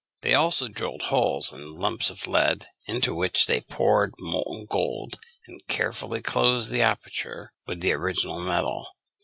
They also drilled holes in lumps of lead, into which they poured molten gold, and carefully closed the aperture with the original metal.